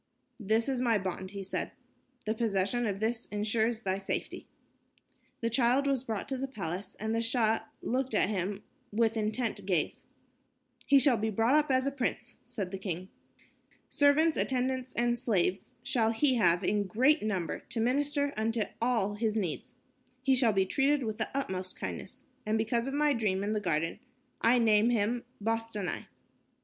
"This is my bond," he said. "The possession of this ensures thy safety." The child was brought to the palace, and the Shah looked at him with intent gaze. "He shall be brought up as a prince," said the king. "Servants, attendants and slaves shall he have in great number to minister unto all his needs. He shall be treated with the utmost kindness. And because of my dream in the garden, I name him Bostanai."